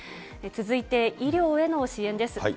続いて、医療への支援です。